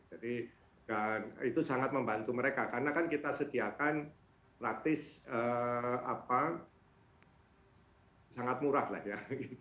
jadi itu sangat membantu mereka karena kan kita sediakan praktis apa sangat murah lah ya